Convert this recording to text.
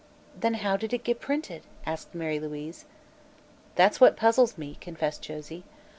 "Then how did it get printed?" asked Mary Louise. "That's what puzzles me," confessed Josie.